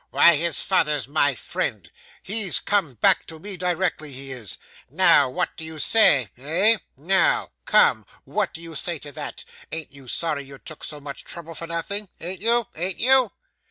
Why, his father's my friend; he's to come back to me directly, he is. Now, what do you say eh! now come what do you say to that an't you sorry you took so much trouble for nothing? an't you? an't you?